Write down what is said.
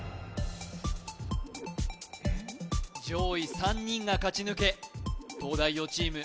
上位３人が勝ち抜け東大王チーム